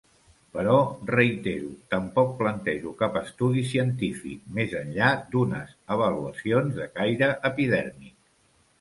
Però, reitero, tampoc plantejo cap estudi científic, més enllà d'unes avaluacions de caire epidèrmic.